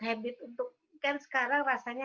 habit untuk kan sekarang rasanya